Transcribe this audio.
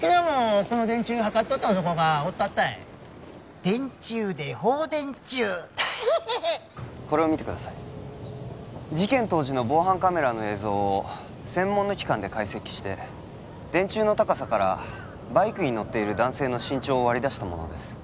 昨日もこの電柱測っとった男がおったったい電柱で放電中へへへこれを見てください事件当時の防犯カメラの映像を専門の機関で解析して電柱の高さからバイクに乗っている男性の身長を割り出したものです